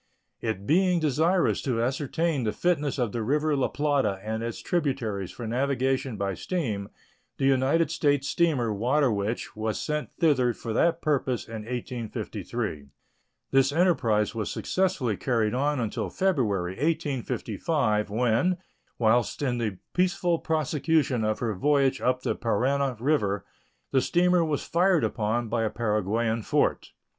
It being desirable to ascertain the fitness of the river La Plata and its tributaries for navigation by steam, the United States steamer Water Witch was sent thither for that purpose in 1853. This enterprise was successfully carried on until February, 1855, when, whilst in the peaceful prosecution of her voyage up the Parana River, the steamer was fired upon by a Paraguayan fort.